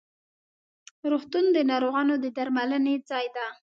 روغتون د ناروغانو د درملنې ځای ده.